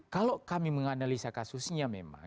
kalau kami menganalisa kasusnya memang